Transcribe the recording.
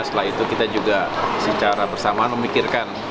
setelah itu kita juga secara bersamaan memikirkan